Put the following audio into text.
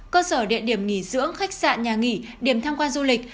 cơ sở địa điểm nghỉ dưỡng khách sạn nhà nghỉ điểm tham quan du lịch